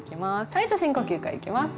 はいじゃ深呼吸からいきます。